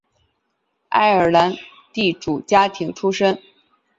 爱尔兰地主家庭出身。